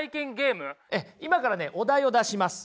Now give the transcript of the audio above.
今からねお題を出します。